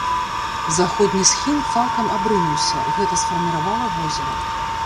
Заходні схіл цалкам абрынуўся, гэта сфарміравала возера.